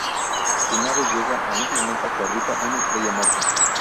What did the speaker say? Su nave llega a un planeta que orbita una estrella muerta.